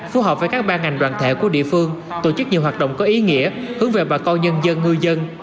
phù hợp với các ban ngành đoàn thể của địa phương tổ chức nhiều hoạt động có ý nghĩa hướng về bà con nhân dân ngư dân